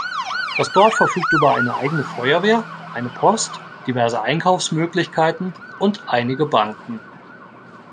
Das Dorf verfügt über eine eigene Feuerwehr, eine Post, diverse Einkaufsmöglichkeiten und einige Banken.